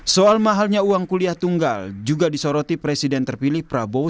soal mahalnya uang kuliah tunggal juga disoroti presiden terpilih prabowo